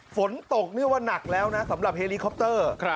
ฝนตกเรียกว่าหนักแล้วนะสำหรับเฮลิคอปเตอร์